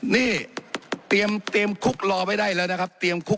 นี่เตรียมเตรียมคุกรอไปได้แล้วนะครับ